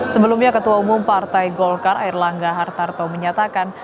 sebelumnya ketua umum partai golkar air langga hartarto menyatakan